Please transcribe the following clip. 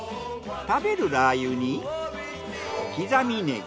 食べるラー油に刻みネギ。